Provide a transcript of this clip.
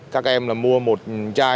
các em mua một chai